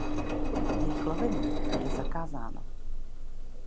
Jejich lovení je zakázáno.